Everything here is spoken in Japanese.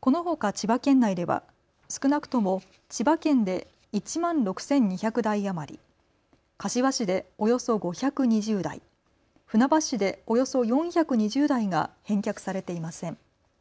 このほか千葉県内では少なくとも千葉県で１万６２００台余り、柏市でおよそ５２０台、船橋市でおよそ４２０台が返却されていません。